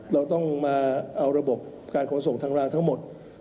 เราต้องมาเอาระบบการขนส่งทางรางทั้งหมด